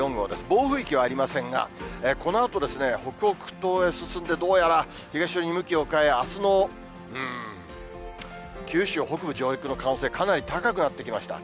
暴風域はありませんが、このあと、北北東へ進んで、どうやら東寄りに向きを変え、あすの九州北部上陸の可能性、かなり高くなってきました。